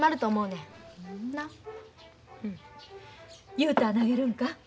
雄太は投げるんか？